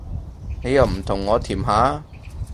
你又唔同我甜下